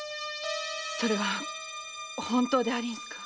それは本当でありんすか？